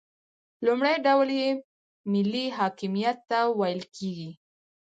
لومړی ډول یې ملي حاکمیت ته ویل کیږي.